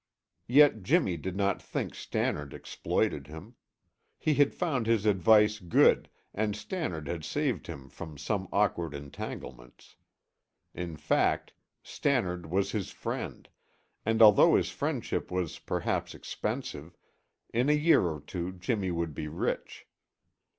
Yet Jimmy did not think Stannard exploited him. He had found his advice good and Stannard had saved him from some awkward entanglements. In fact, Stannard was his friend, and although his friendship was perhaps expensive, in a year or two Jimmy would be rich.